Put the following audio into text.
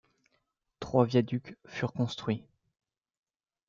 Trois viaducs furent construits.